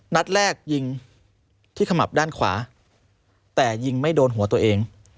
นัดแรกยิงที่ขมับด้านขวาแต่ยิงไม่โดนหัวตัวเอง